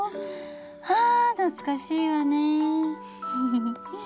あ懐かしいわね。